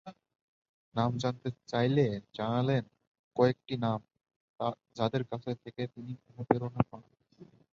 নাম জানতে চাইলে জানালেন কয়েকটি নাম, যাঁদের কাছ থেকে তিনি অনুপ্রেরণা পান।